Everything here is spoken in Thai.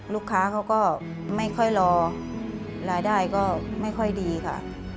ลูกค้าเขาก็ไม่ค่อยรอรายได้ก็ไม่ค่อยดีค่ะ